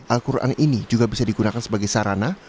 al quran ini juga bisa digunakan sebagai sarana